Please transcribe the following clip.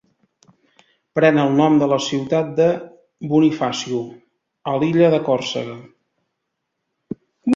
Pren el nom de la ciutat de Bonifacio, a l'illa de Còrsega.